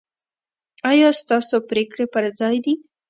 ایا ستاسو پریکړې پر ځای دي؟